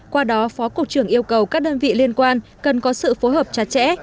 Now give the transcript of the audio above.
qua đó phó cục trưởng yêu cầu các đơn vị liên quan cần có sự phối hợp chặt chẽ